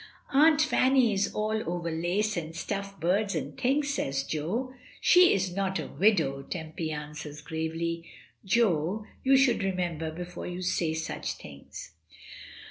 "Aunt Fanny is all over lace, and stuffed birds, and things," says Jo. "She is not a widow," Tempy answers gravely. "Jo, you should remember before you say such things."